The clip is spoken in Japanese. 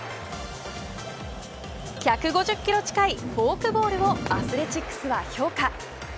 １５０キロ近いフォークボールをアスレチックは評価。